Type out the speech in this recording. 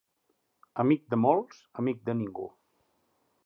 Amic de molts, amic de ningú.